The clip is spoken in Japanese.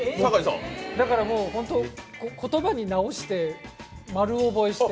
だから、言葉に直して、丸覚えして。